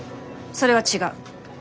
それは違う。